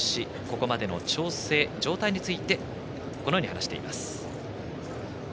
ここまでの調整、状態についてこのように話しています。